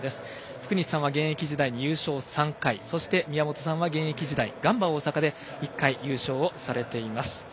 福西さんは現役時代に優勝３回宮本さんは現役時代ガンバ大阪で１回優勝されています。